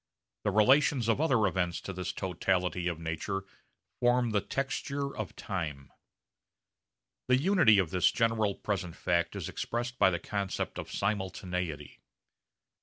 The relations of other events to this totality of nature form the texture of time. The unity of this general present fact is expressed by the concept of simultaneity.